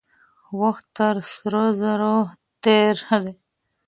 وخت تر سرو زرو تېر دی.